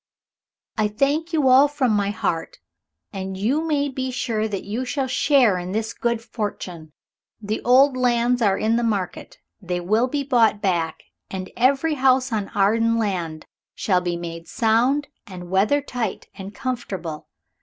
"I thank you all from my heart. And you may be sure that you shall share in this good fortune. The old lands are in the market. They will be bought back. And every house on Arden land shall be made sound and weather tight and comfortable.